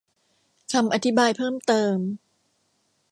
คำอธิบายเพิ่มเติม